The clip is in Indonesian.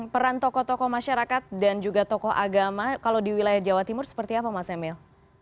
peran tokoh tokoh masyarakat dan juga tokoh agama kalau di wilayah jawa timur seperti apa mas emil